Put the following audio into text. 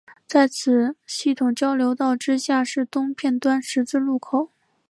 在此系统交流道之下是东片端十字路口。